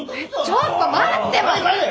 ちょっと待って！